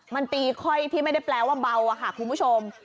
มันตีค่อยที่ไม่ได้แปลว่าเบาอะค่ะคุณผู้ชม